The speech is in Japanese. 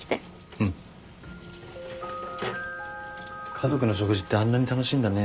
家族の食事ってあんなに楽しいんだね。